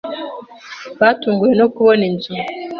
batunguwe no kubona inzu